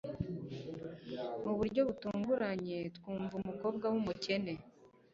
mu buryo butunguranye, twumva umukobwa wumukene